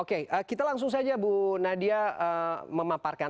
oke kita langsung saja bu nadia memaparkan